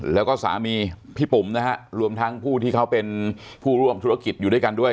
แล้วก็สามีพี่ปุ๋มนะฮะรวมทั้งผู้ที่เขาเป็นผู้ร่วมธุรกิจอยู่ด้วยกันด้วย